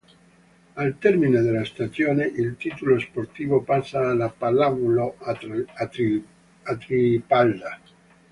Al termine della stagione il titolo sportivo passa alla Pallavolo Atripalda.